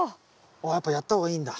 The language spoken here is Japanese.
やっぱやった方がいいんだ。